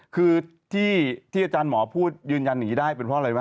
คือที่อาจารย์หมอพูดยืนยันหนีได้เป็นเพราะอะไรวะ